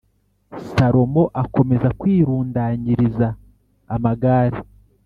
Salomo akomeza kwirundanyiriza amagare